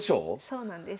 そうなんです。